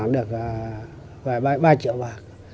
được ba triệu vàng